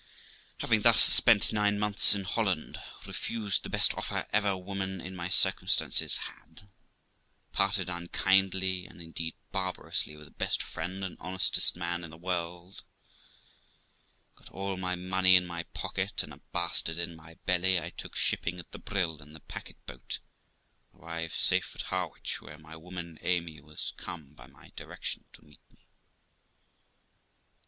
Having thus spent nine months in Holland, refused the best offer ever woman in my circumstances had, parted unkindly, and indeed barbarously, with the best friend and honestest man in the world, got all my money in my pocket, and a bastard in my belly, I took shipping at the Brill in the packet boat, and arrived safe at Harwich, where my woman Amy was come by my direction to meet me.